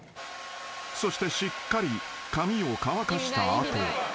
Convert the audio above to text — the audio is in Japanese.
［そしてしっかり髪を乾かした後］